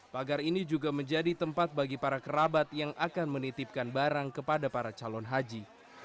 pagar ini juga menjadi tempat bagi para kerabat yang akan menitipkan barang kepada para calon haji